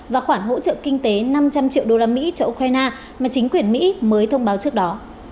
và khoản hỗ trợ kinh tế năm trăm linh triệu usd cho ukraine mà chính quyền mỹ mới thông báo trước đó